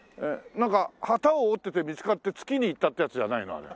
なんか機を織ってて見つかって月に行ったってやつじゃないの？